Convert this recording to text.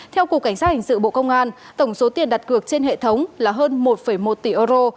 theo cục cảnh sát hình sự bộ công an tổng số tiền đặt cược trên hệ thống là hơn một một tỷ euro